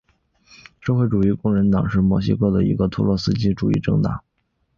社会主义工人党是墨西哥的一个托洛茨基主义政党。